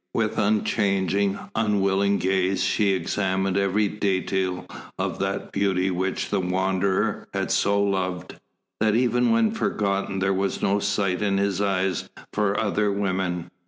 With unchanging, unwilling gaze she examined every detail of that beauty which the Wanderer had so loved, that even when forgotten there was no sight in his eyes for other women.